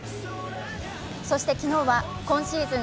そして昨日は今シーズン